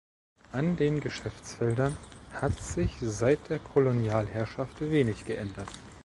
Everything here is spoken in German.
An den Geschäftsfeldern hat sich seit der Kolonialherrschaft wenig geändert.